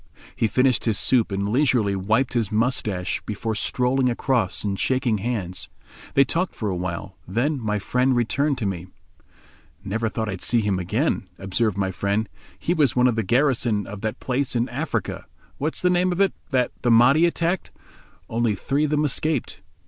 He finished his soup and leisurely wiped his moustache before strolling across and shaking hands. They talked for a while. Then my friend returned to me. "Never thought to see him again," observed my friend, "he was one of the garrison of that place in Africa—what's the name of it?—that the Mahdi attacked. Only three of them escaped.